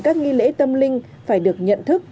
các nghi lễ tâm linh phải được nhận thức